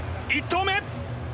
１投目！